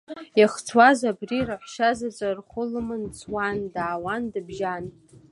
Иахцуаз абри раҳәшьа заҵәы рхәы лыман дцуан, даауан, дыбжьан.